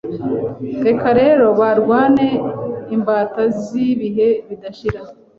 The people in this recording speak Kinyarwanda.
reka rero barwane imbata zi Bihe bidashira